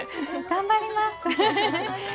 頑張ります。